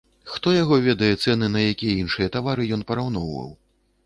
Хто яго ведае, цэны на якія іншыя тавары ён параўноўваў?